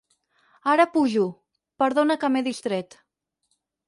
Ara pujo, perdona que m'he distret.